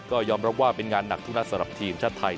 ก็ยอมรับว่าเป็นงานหนักทุกนัดสำหรับทีมชาติไทย